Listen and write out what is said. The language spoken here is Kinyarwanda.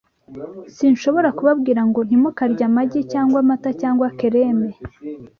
Sinshobora kubabwira ngo: “Ntimukarye amagi, cyangwa amata, cyangwa kereme